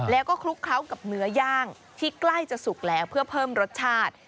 แล้วก็คลุกเคล้ากับเนื้อย่างที่ใกล้จะสุกแล้วเพื่อเพิ่มรสชาติ